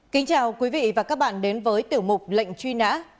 kính chào quý vị và các bạn đến với tiểu mục lệnh truy nã